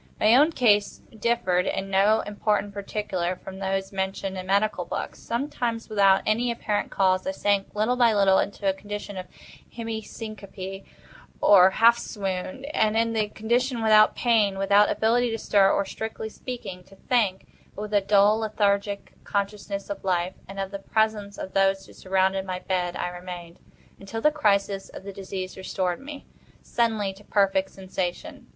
My own case differed in no important particular from those mentioned in medical books. Sometimes, without any apparent cause, I sank, little by little, into a condition of semi syncope, or half swoon; and, in this condition, without pain, without ability to stir, or, strictly speaking, to think, but with a dull lethargic consciousness of life and of the presence of those who surrounded my bed, I remained, until the crisis of the disease restored me, suddenly, to perfect sensation.